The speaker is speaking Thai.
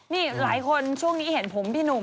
นี่หลายคนช่วงนี้เห็นผมพี่หนุ่ม